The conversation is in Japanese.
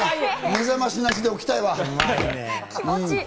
目覚ましなしで起きたいわ。